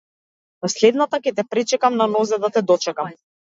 Во следната ќе те пречекам, на нозе да те дочекам.